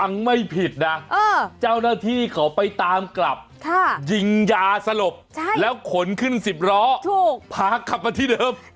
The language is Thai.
ยังไม่ผิดนะเจ้าหน้าที่เขาไปตามกลับยิงยาสลบแล้วขนขึ้น๑๐ล้อพากลับมาที่เดิม